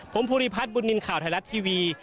ผมภูริพัฒน์บุญนินทร์ข่าวไทยรัฐทีวี